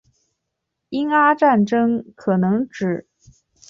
英阿战争可能指